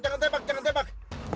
jangan tebak jangan tebak